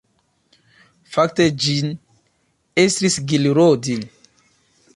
Fakte ĝin estris Gil Rodin.